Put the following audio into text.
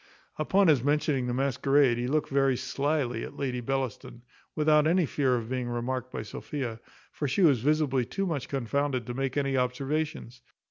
Upon his mentioning the masquerade, he looked very slily at Lady Bellaston, without any fear of being remarked by Sophia; for she was visibly too much confounded to make any observations.